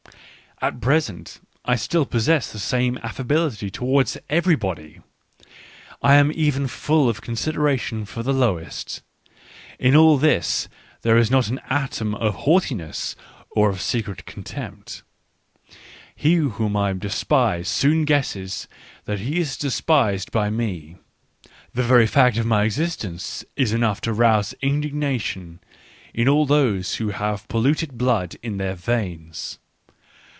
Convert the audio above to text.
At present I still possess the same affability towards everybody, I am even full of con sideration for the lowest : in all this there is not an atom of haughtiness or of secret contempt. He whom I despise soon guesses that he is despised by me: the very fact of my existence is enough to rouse indignation in all those who have polluted blood in their veins.